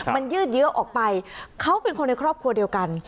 มันยืดเยอะออกไปเขาเป็นคนในครอบครัวเดียวกัน